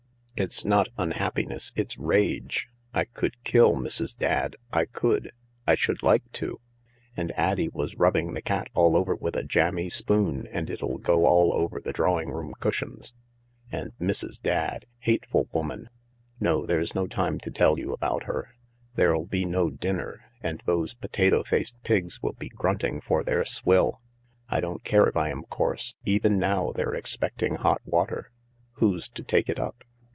" It's not unhappiness. It's rage. I could kill Mrs. Dadd. I could. I should like to. AndAddie was rubbingthe cat all over with a jammy spobn and it'll go 193 N 194 THE LARK all over the drawing room cushions. And Mrs. Dadd I Hate ful woman I No, there's no time to tell you about her. There'll be no dinner* And those potato faced pigs will be grunting for their swill. I don't care if I am coarse. Even now they're expecting hot water. Who's to take it up